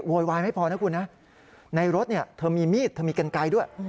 วายไม่พอนะคุณนะในรถเธอมีมีดเธอมีกันไกลด้วย